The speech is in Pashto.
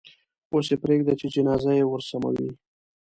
اوس یې پرېږده چې جنازه یې ورسموي.